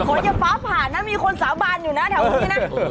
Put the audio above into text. ฝนยังฟ้าผ่านนะมีคนสาบานอยู่นะแถวนี้นะ